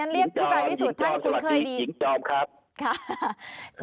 ท่านเรียกผู้การวิสุทธิ์คุณเคยดีหญิงจอมสวัสดีหญิงจอมครับ